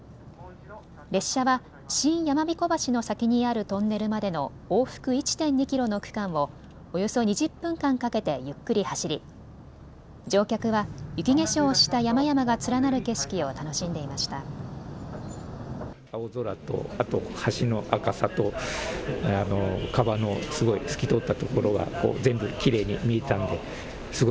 列車は新山彦橋の先にあるトンネルまでの往復１．２キロの区間をおよそ２０分間かけてゆっくり走り乗客は雪化粧をした山々が連なる景色を楽しんでいました。